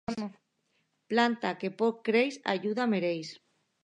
Planta que poc creix, ajuda mereix.